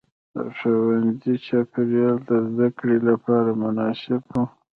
د ښوونځي چاپېریال د زده کړې لپاره مناسب و.